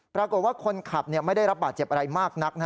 ปรากฏว่าคนขับไม่ได้รับบาดเจ็บอะไรมากนัก